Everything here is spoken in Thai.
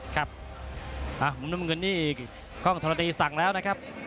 มุมน้ำเงินนี่กล้องธรณีสั่งแล้วนะครับ